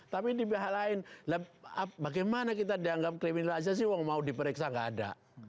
tapi di pihak lain bagaimana kita dianggap kriminalisasi orang mau diperiksa gak ada